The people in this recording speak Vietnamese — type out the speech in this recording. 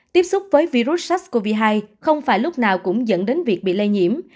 tiếp xúc với virus sars cov hai không phải lúc nào cũng dẫn đến việc bị lây nhiễm